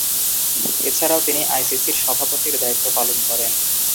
এছাড়াও তিনি আইসিসি’র সভাপতির দায়িত্ব পালন করেন।